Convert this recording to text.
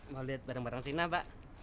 mau liat barang barang sina mbak